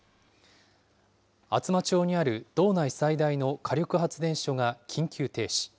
厚真町にある道内最大の火力発電所が緊急停止。